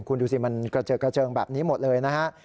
คุณดูสิมันกระเจิดกระเจิงแบบนี้หมดเลยนะฮะ